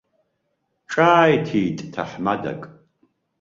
Ҿааиҭит ҭаҳмадак.